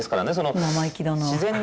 生意気だな。